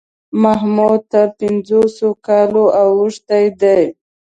محمود تر پنځوسو کالو اوښتی دی.